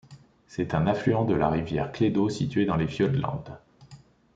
C’est un affluent de la rivière Cleddau, situé dans les ʽFiodlandsʼ.